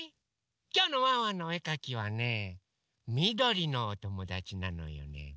きょうのワンワンのおえかきはねみどりのおともだちなのよね。